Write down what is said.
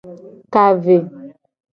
Ka ve.